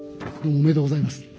おめでとうございます。